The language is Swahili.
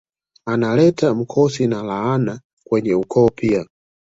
Analeta mkosi na laana kwenye ukoo pia